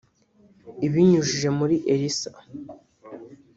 Ibinyujije muri Elisa